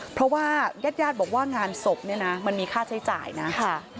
เพราะว่าย่าดบอกว่างานศพมันมีค่าใช้จ่ายนะค่ะ